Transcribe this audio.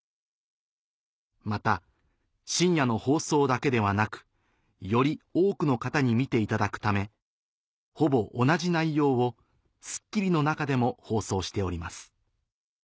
「また深夜の放送だけではなくより多くの方に見ていただくためほぼ同じ内容を『スッキリ』の中でも放送しております」